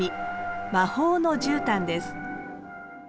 「魔法のじゅうたん」です。